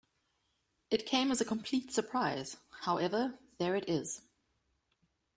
It came as a complete surprise. However, there it is.